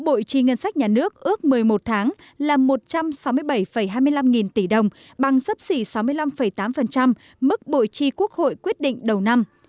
bộ chi ngân sách nhà nước ước một mươi một tháng là một trăm sáu mươi bảy hai mươi năm nghìn tỷ đồng bằng sắp xỉ sáu mươi năm tám mức bộ chi quốc hội quyết định đầu năm